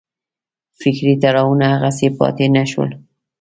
فکري تړاوونه هغسې پاتې نه شول.